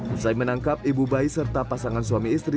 usai menangkap ibu bayi serta pasangan suami istri